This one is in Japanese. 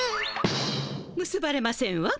むすばれませんわ。